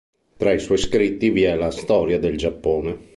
Tra i suoi scritti vi è la "Storia del Giappone".